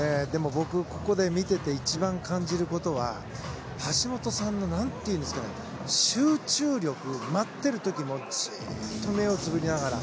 僕、ここで見てて一番感じることは橋本さんの、何ていうんですかね集中力待っている時もじっと目をつぶりながら。